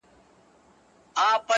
مور د کور درد زغمي،